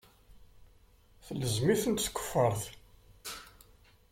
Telzem-itent tkeffart.